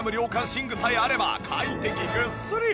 寝具さえあれば快適ぐっすり！